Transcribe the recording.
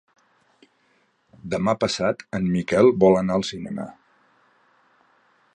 Demà passat en Miquel vol anar al cinema.